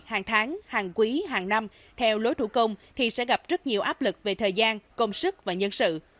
hàng tháng hàng quý hàng năm theo lối thủ công thì sẽ gặp rất nhiều áp lực về thời gian công sức và nhân sự